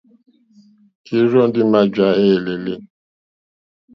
Ìrzɔ́ ndí mǎjǎ éělélé.